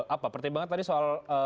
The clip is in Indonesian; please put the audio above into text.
apa pertimbangan tadi soal